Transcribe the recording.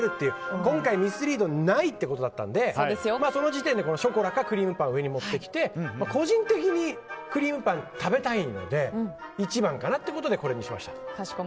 今回ミスリードはないということだったのでその時点でショコラかクリームパンを上に持ってきて個人的にクリームパン食べたいので一番かなということでこれにしました。